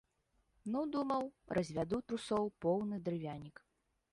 Ну, думаў, развяду трусоў поўны дрывянік.